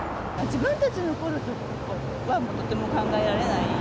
自分たちのころとかでは、とても考えられない。